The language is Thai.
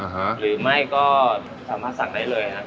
หรือไม่ก็สามารถสั่งได้เลยครับ